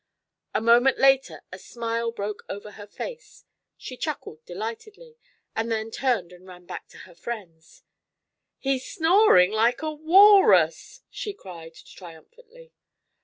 A moment later a smile broke over her face; she chuckled delightedly and then turned and ran buck to her friends. "He's snoring like a walrus!" she cried triumphantly.